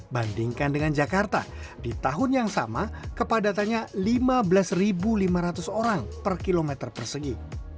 bandingkan dengan jakarta di tahun yang sama kepadatannya lima belas lima ratus orang per kilometer persegi